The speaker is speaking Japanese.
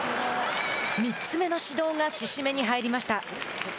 ３つ目の指導が志々目に入りました。